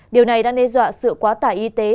điều này đang nây dọa sự quá tải y tế